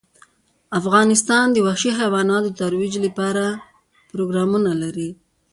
افغانستان د وحشي حیواناتو د ترویج لپاره پروګرامونه لري.